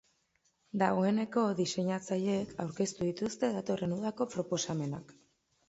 Dagoeneko diseinatzaileek aurkeztu dituzte datorren udako proposamenak.